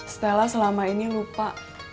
stella selama ini lupa